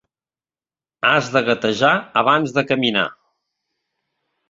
Has de gatejar abans de caminar.